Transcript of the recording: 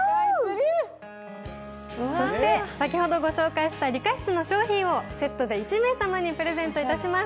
そして先ほどご紹介したリカシツの商品をセットで１名様にプレゼントいたします。